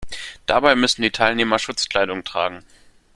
Dabei müssen die Teilnehmer Schutzkleidung tragen.